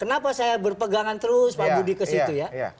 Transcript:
kenapa saya berpegangan terus pak budi ke situ ya